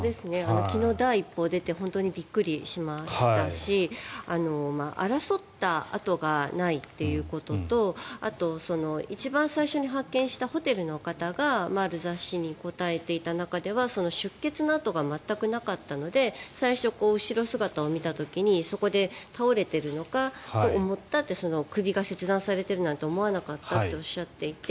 昨日、第一報が出て本当にびっくりしましたし争った跡がないということとあと、一番最初に発見したホテルの方がある雑誌に答えていた中では出欠の痕が全くなかったので最初、後ろ姿を見た時にそこで倒れていると思ったとか首が切断されているなんて思わなかったとおっしゃっていて